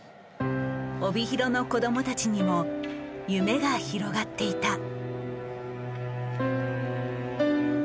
帯広の子どもたちにも夢が広がっていた。